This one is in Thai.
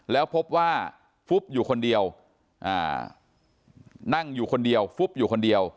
แล้วพบว่าฟุ๊บอยู่คนเดียวนั่งอยู่คนเดียวฟุบอยู่คนเดียว